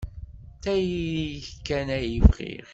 D tayri-k kan ay bɣiɣ.